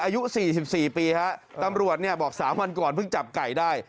อายุ๔๔ปีฮะตำรวจเนี่ยบอก๓วันก่อนเพิ่งจับไก่ได้